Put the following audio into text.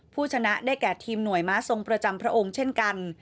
ผู้ชนะได้แก่ทีมหน่วยม้าทรงประจำพระองค์เช่นกัน